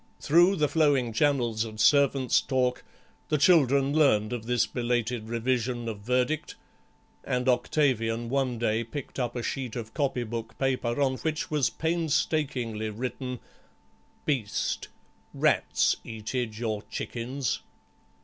Through the flowing channels of servant talk the children learned of this belated revision of verdict, and Octavian one day picked up a sheet of copy book paper on which was painstakingly written: "Beast. Rats eated your chickens."